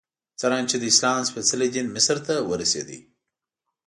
څرنګه چې د اسلام سپېڅلی دین مصر ته ورسېد.